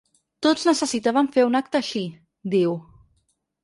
Tots necessitàvem fer un acte així, diu.